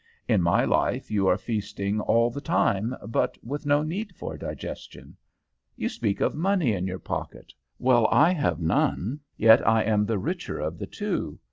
In my life you are feasting all the time, but with no need for digestion. You speak of money in your pockets; well, I have none, yet am I the richer of the two.